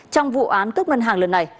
trong vụ án cướp ngân hàng lần này